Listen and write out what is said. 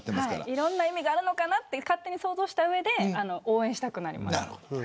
いろんな意味があるのかなと勝手に想像した上で応援したくなります。